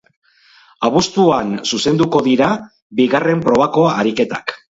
Abuztuan zuzenduko dira bigarren probako ariketak.